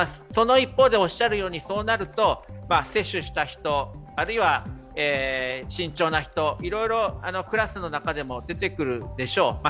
その一方で、そうなると接種した人あるいは慎重な人、いろいろクラスの中でも出てくるでしょう。